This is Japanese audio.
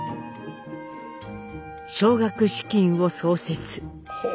「奨学資金を創設。